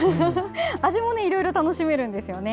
味もいろいろ楽しめるんですよね。